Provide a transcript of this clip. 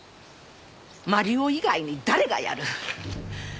真理男以外に誰がやる？